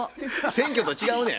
選挙と違うねや。